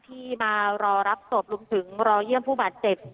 ที่มารอรับศพรวมถึงรอเยี่ยมผู้บาดเจ็บ